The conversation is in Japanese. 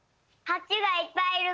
ハチ！いっぱいいる。